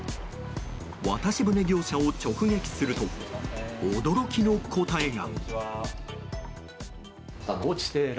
渡し舟業者を直撃すると驚きの答えが。